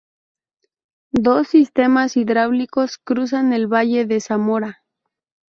Dos sistemas hidráulicos cruzan el valle de Zamora.